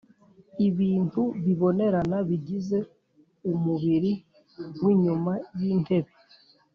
Ibintu bibonerana bigize umubiri w'inyuma y’intebe